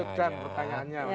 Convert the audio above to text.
terus jelaskan pertanyaannya